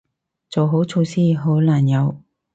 做好措施，好難有